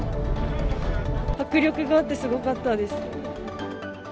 迫力があってすごかったです。